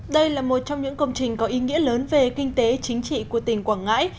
đây là một trong những công trình có ý nghĩa lớn về kinh tế chính trị của tỉnh quảng ngãi